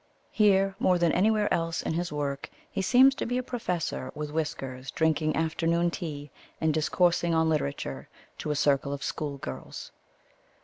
Here, more than anywhere else in his work, he seems to be a professor with whiskers drinking afternoon tea and discoursing on literature to a circle of schoolgirls.